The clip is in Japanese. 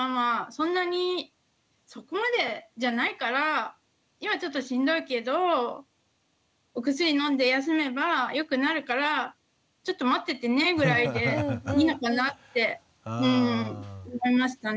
そんなにそこまでじゃないから今ちょっとしんどいけどお薬飲んで休めばよくなるからちょっと待っててね」ぐらいでいいのかなって思いましたね。